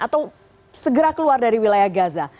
atau segera keluar dari wilayah gaza